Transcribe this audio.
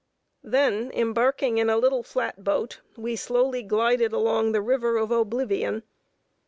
] Then, embarking in a little flat boat, we slowly glided along the river of Oblivion.